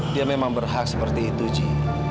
dia memang berhak seperti itu ji